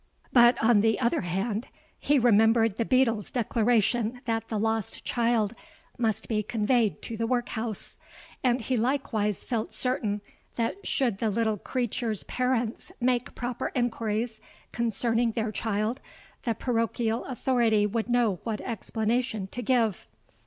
But, on the other hand, he remembered the beadle's declaration that the lost child must be conveyed to the workhouse; and he likewise felt certain that should the little creature's parents make proper enquiries concerning their child, the parochial authority would know what explanation to give.